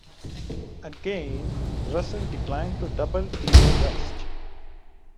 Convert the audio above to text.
Again, Russell declined to double-team West.